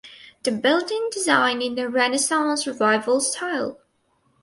The building designed in the Renaissance Revival style.